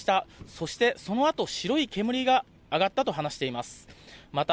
そしてそのあと白い煙が上がったと話しています。